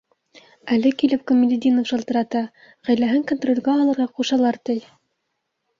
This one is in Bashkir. Әле килеп Камалетдинов шылтырата: ғаиләһен контролгә алырға ҡушалар, ти...